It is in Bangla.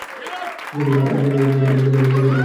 আমরা কয়েক দিনের জন্য ব্যান্ডেজ লাগিয়ে রাখবো।